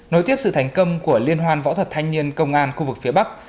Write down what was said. nối tiếp sự thành công của liên hoan võ thuật thanh niên công an khu vực phía bắc